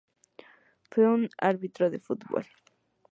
Fue un árbitro de fútbol.